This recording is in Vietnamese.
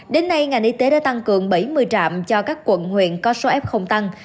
đến nay ngành y tế đã tăng cường bảy mươi trạm cho các quận huyện có số f không tăng